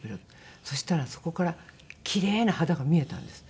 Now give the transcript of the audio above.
そしたらそこからキレイな肌が見えたんです。